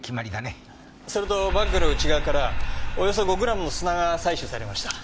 それとバッグの内側からおよそ５グラムの砂が採取されました。